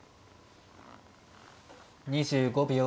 ２５秒。